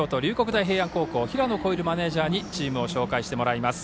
大平安の平野心琉マネージャーにチームを紹介してもらいます。